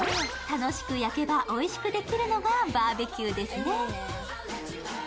楽しく焼けば、おいしくできるのがバーベキューですね。